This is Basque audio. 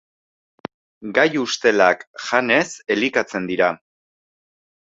Gai ustelak janez elikatzen dira.